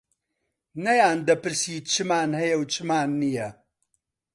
نەیان دەپرسی چمان هەیە و چمان نییە